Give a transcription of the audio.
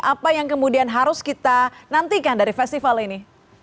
apa yang kemudian harus kita nantikan dari festival ini